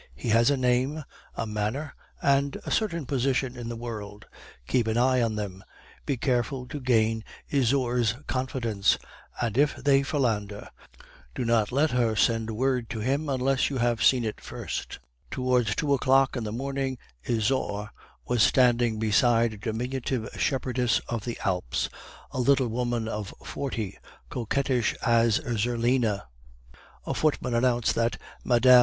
He has a name, a manner, and a certain position in the world; keep an eye on them; be careful to gain Isaure's confidence; and if they philander, do not let her send word to him unless you have seen it first ' "Towards two o'clock in the morning, Isaure was standing beside a diminutive Shepherdess of the Alps, a little woman of forty, coquettish as a Zerlina. A footman announced that 'Mme.